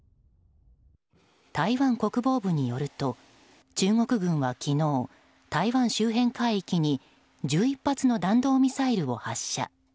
台湾国防部によると中国軍は昨日台湾周辺海域に１１発の弾道ミサイルを発射。